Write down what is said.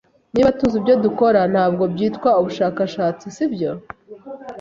Niba tuzi ibyo dukora, ntabwo byitwa ubushakashatsi, sibyo?